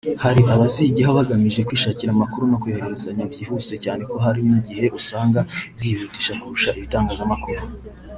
hari abazijyaho bagamije kwishakira amakuru no kuyohererezanya byihuse cyane ko hari n’igihe usanga ziyihutisha kurusha ibitangazamakuru